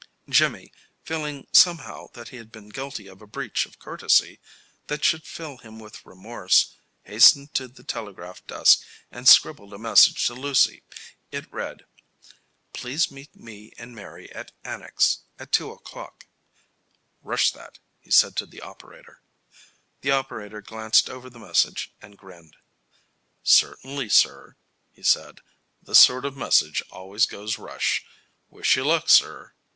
Jimmy, feeling somehow that he had been guilty of a breach of courtesy that should fill him with remorse, hastened to the telegraph desk and scribbled a message to Lucy. It read: "Please meet me and Mary at Annex at 2 o'clock." "Rush that," he said to the operator. The operator glanced over the message and grinned. "Certainly, sir," he said. "This sort of a message always goes rush. Wish you luck, sir."